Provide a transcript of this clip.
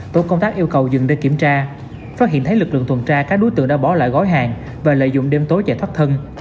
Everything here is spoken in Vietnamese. tổ công tác yêu cầu dừng để kiểm tra phát hiện thấy lực lượng tuần tra các đối tượng đã bỏ lại gói hàng và lợi dụng đêm tối chạy thoát thân